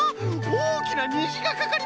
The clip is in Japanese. おおきなにじがかかりました！